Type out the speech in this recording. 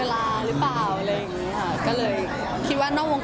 แล้วคุยกับคน